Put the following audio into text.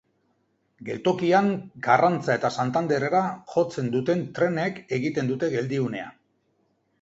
Geltokian Karrantza eta Santanderrera jotzen duten trenek egiten dute geldiunea.